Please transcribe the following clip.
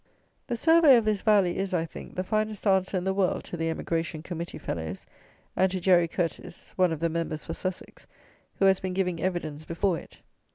The survey of this Valley is, I think, the finest answer in the world to the "Emigration Committee" fellows, and to Jerry Curteis (one of the Members for Sussex), who has been giving "evidence" before it.